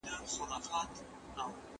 د ماڼۍ ساتونکي توپونه وکارول.